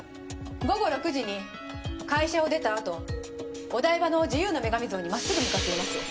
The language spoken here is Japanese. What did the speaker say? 午後６時に会社を出たあとお台場の自由の女神像に真っすぐ向かっています。